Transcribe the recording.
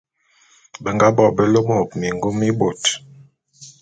Be nga bo be lômôk mingum mi bôt.